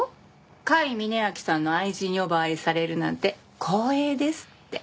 甲斐峯秋さんの愛人呼ばわりされるなんて光栄ですって。